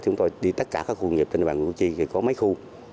thì chúng tôi đi tất cả các khu công nghiệp trên địa bàn cô chi thì có mấy khu